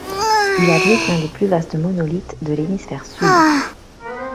Il abrite l'un des plus vastes monolithes de l'hémisphère sud.